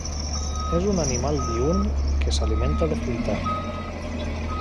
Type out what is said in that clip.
És un animal diürn que s'alimenta de fruita.